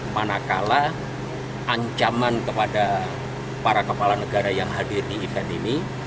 manakala ancaman kepada para kepala negara yang hadir di event ini